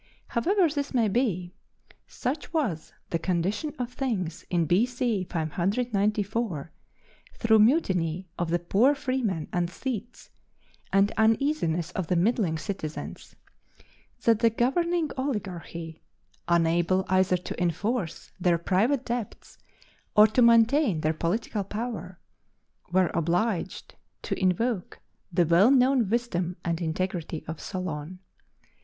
However this may be, such was the condition of things in B.C. 594 through mutiny of the poor freemen and Thetes, and uneasiness of the middling citizens, that the governing oligarchy, unable either to enforce their private debts or to maintain their political power, were obliged to invoke the well known wisdom and integrity of Solon.